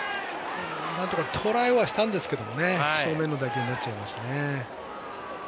なんとかとらえはしたんですが正面の打球になっちゃいましたね。